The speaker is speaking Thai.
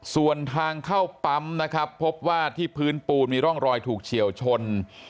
ส่วนทางเข้าปั๊มนะครับพบว่าที่พื้นปูนมีร่องรอยถูกเฉียวชน